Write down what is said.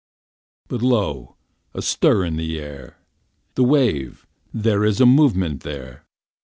For lo, a stir is in the air! The wave there is a movement there!